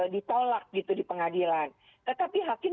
ditolak gitu di pengadilan tetapi hakim